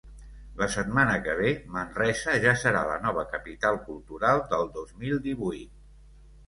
La setmana que ve, Manresa ja serà la nova capital cultural del dos mil divuit.